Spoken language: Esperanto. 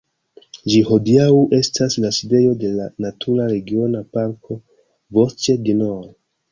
Ĝi hodiaŭ estas la sidejo de la natura regiona parko "Vosges du Nord".